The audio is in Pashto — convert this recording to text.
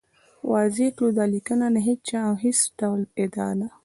واضح کړو، دا لیکنه د هېچا او هېڅ ډول ادعا